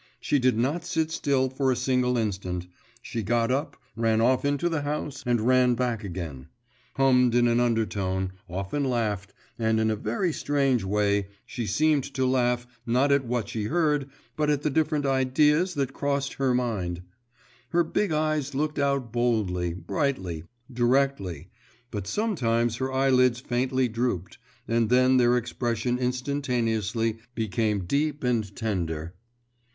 She did not sit still for a single instant; she got up, ran off into the house, and ran back again, hummed in an undertone, often laughed, and in a very strange way; she seemed to laugh, not at what she heard, but at the different ideas that crossed her mind. Her big eyes looked out boldly, brightly, directly, but sometimes her eyelids faintly drooped, and then their expression instantaneously became deep and tender.